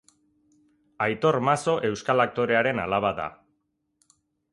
Aitor Mazo euskal aktorearen alaba da.